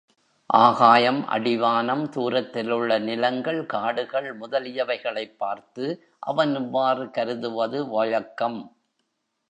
ஆகாயம், அடிவானம், தூரத்திலுள்ள நிலங்கள், காடுகள் முதலியவைகளைப் பார்த்து, அவன் இவ்வாறு கருதுவது வழக்கம்.